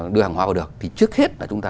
đưa hàng hóa vào được thì trước hết là chúng ta